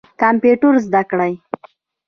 کمپیوټر زده کړئ